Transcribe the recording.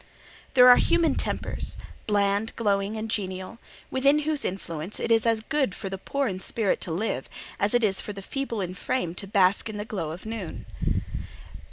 There are human tempers, bland, glowing, and genial, within whose influence it is as good for the poor in spirit to live, as it is for the feeble in frame to bask in the glow of noon.